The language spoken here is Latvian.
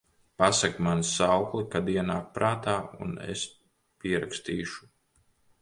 Pasaki man saukli, kad ienāk prātā, un es pierakstīšu…